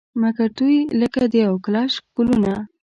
مګر دوی لکه د یو ګلش ګلونه.